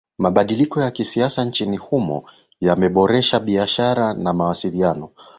Mabadiliko ya kisiasa nchini humo yameboresha biashara na mawasiliano